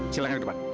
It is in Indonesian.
silahkan ke depan